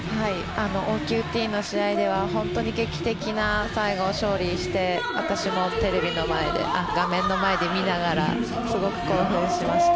ＯＱＴの試合では劇的な最後、勝利をして私もテレビの画面の前で見ながらすごく興奮しました。